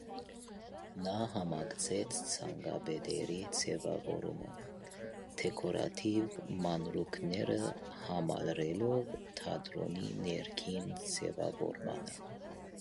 Նա համակցեց ցանկապատերի ձևավորումը՝ դեկորատիվ մանրուքները համալրելով թատրոնի ներքին ձևավորմանը։